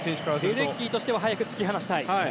レデッキーとしては早く突き放したいと。